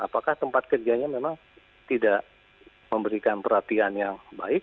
apakah tempat kerjanya memang tidak memberikan perhatian yang baik